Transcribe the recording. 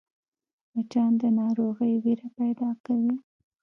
مچان د ناروغۍ وېره پیدا کوي